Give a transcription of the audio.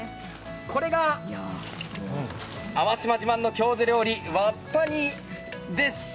これが、粟島自慢の郷土料理、わっぱ煮です。